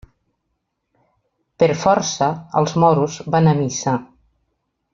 Per força, els moros van a missa.